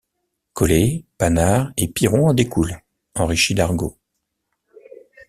Collé, Panard et Piron en découlent, enrichis d’argot.